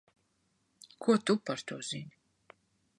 Ko tu par to zini?